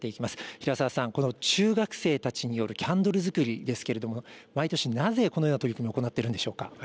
平澤さん、この中学生たちによるキャンドル作りですけれども、毎年なぜこのような取り組み、行っているんでしょうか。